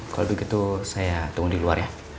kalau begitu saya tunggu di luar ya